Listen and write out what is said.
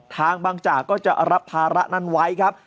บางจากก็จะรับภาระนั้นไว้ครับ